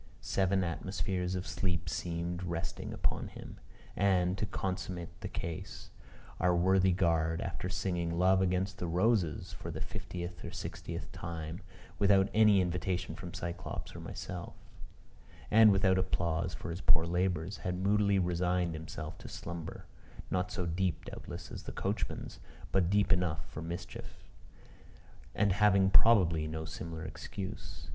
Seven atmospheres of sleep seemed resting upon him; and, to consummate the case, our worthy guard, after singing "Love amongst the Roses," for the fiftieth or sixtieth time, without any invitation from Cyclops or myself, and without applause for his poor labors, had moodily resigned himself to slumber not so deep doubtless as the coachman's, but deep enough for mischief; and having, probably, no similar excuse.